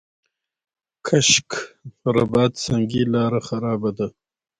کشک رباط سنګي لاره خرابه ده؟